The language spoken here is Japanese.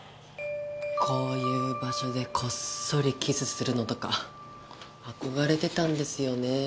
こういう場所でこっそりキスするのとか憧れてたんですよね